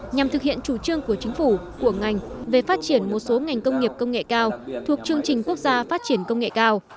nhằm thực hiện chủ trương của chính phủ của ngành về phát triển một số ngành công nghiệp công nghệ cao thuộc chương trình quốc gia phát triển công nghệ cao